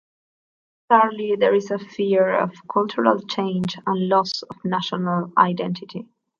Thirdly, there is a fear of cultural change and loss of national identity.